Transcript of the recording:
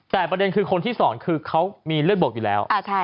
แต่ประเด็นคือคนที่สองคือเขามีเลือดบกอยู่แล้ว